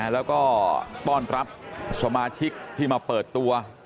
แล้วก็ต้อนรับสมาชิกที่มาเปิดตัว